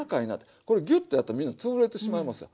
これギュッとやったらみんなつぶれてしまいますやん。